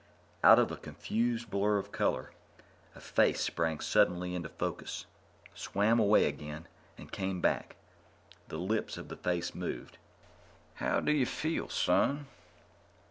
Out of a confused blur of color, a face sprang suddenly into focus, swam away again, and came back. The lips of the face moved. "How do you feel, son?"